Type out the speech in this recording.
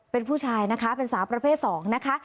เป็นผู้ชายนะคะเป็นสาวประเภท๒นะคะ